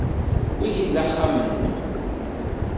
Wihin d axxam-nnem.